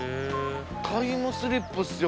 タイムスリップっすよ